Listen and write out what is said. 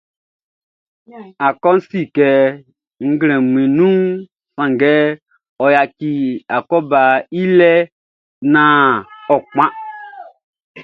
Akɔʼn si kɛ nglɛmun nunʼn, sanngɛ ɔ yaci akɔbaʼn i lɛ naan ɔ kpan.